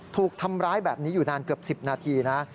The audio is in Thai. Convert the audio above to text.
ถูกทำร้ายแบบนี้อยู่นานเกือบ๑๐นาทีนะ